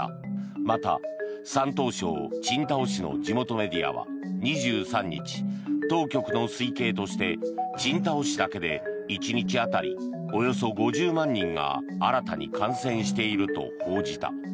また、山東省青島市の地元メディアは２３日、当局の推定として青島市だけで１日当たりおよそ５０万人が新たに感染していると報じた。